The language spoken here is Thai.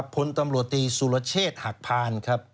พลตำรวจตีสุรเชษฐ์หักพานครับ